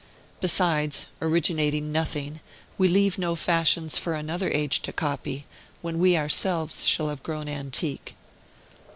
Besides, originating nothing, we leave no fashions for another age to copy, when we ourselves shall have grown antique.